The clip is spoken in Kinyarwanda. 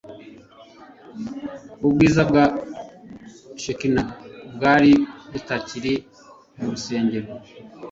Ubwiza bwa Shekina bwari butakiri mu rusengero,